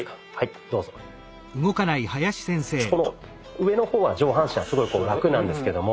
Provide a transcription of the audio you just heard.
上の方は上半身はすごいラクなんですけども。